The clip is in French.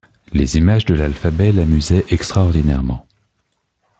Les images de l’alphabet l’amusaient extraordinairement.